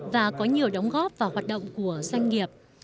và có nhiều đóng góp vào hoạt động của doanh nghiệp